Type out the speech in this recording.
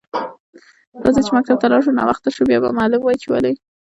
راځه چی مکتب ته لاړ شو ناوخته شو بیا به معلم وایی چی ولی